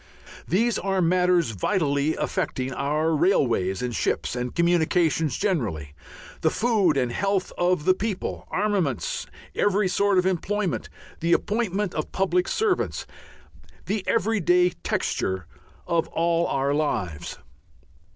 These are matters vitally affecting our railways and ships and communications generally, the food and health of the people, armaments, every sort of employment, the appointment of public servants, the everyday texture of all our lives.